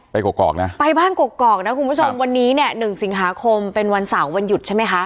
กอกนะไปบ้านกกอกนะคุณผู้ชมวันนี้เนี่ยหนึ่งสิงหาคมเป็นวันเสาร์วันหยุดใช่ไหมคะ